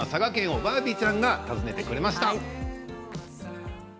バービーちゃんが佐賀県を訪ねてくれました。